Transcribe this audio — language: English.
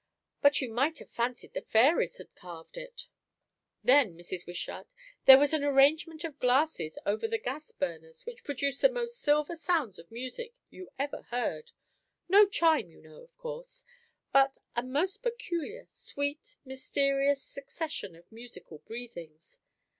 But you might have fancied the fairies had carved it. Then, Mrs. Wishart, there was an arrangement of glasses over the gas burners, which produced the most silver sounds of music you ever heard; no chime, you know, of course; but a most peculiar, sweet, mysterious succession of musical breathings.